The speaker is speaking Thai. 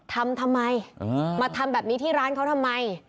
ทำทำไมมาทำแบบนี้ที่ร้านเขาทำไม